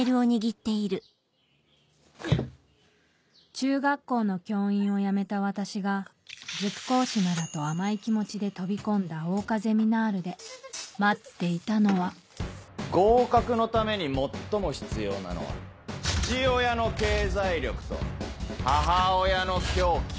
中学校の教員を辞めた私が塾講師ならと甘い気持ちで飛び込んだ桜花ゼミナールで待っていたのは合格のために最も必要なのは父親の経済力と母親の狂気。